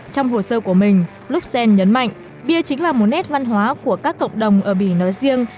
trong hồ sơ của mình luxelles nhấn mạnh bia chính là một nét văn hóa của các cộng đồng ở bỉ nói riêng